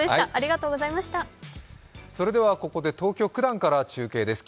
それではここで東京・九段から中継です。